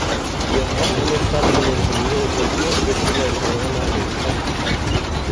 Die am Wochenende stattfindenden Turniere sind nur für Spieler in höheren Arenen verfügbar.